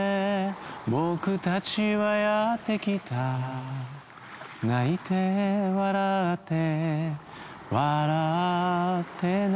「ぼくたちはやって来た」「泣いて笑って」「笑って泣いて」